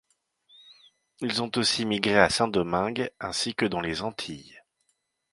Ils ont aussi migré à Saint-Domingue, ainsi que dans les Antilles.